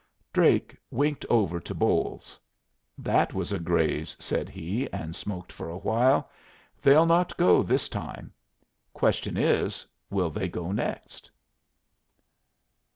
Drake winked over to Bolles. "That was a graze," said he, and smoked for a while. "They'll not go this time. Question is, will they go next?"